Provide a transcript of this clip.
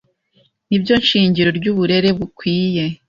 ni byo shingiro ry’uburere bukwiye